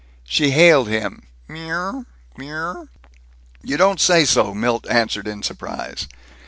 She hailed him, "Mrwr? Me mrwr!" "You don't say so!" Milt answered in surprise.